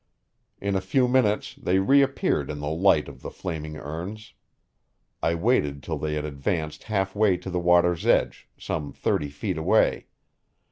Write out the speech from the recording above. In a few minutes they reappeared in the light of the flaming urns. I waited till they had advanced half way to the water's edge, some thirty feet away.